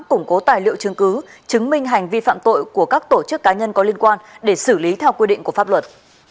củng cố tài liệu chứng cứ chứng minh hành vi phạm tội của các tổ chức cá nhân có liên quan để xử lý theo quy định của pháp luật